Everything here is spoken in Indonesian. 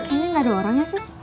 kayaknya gak ada orang ya sus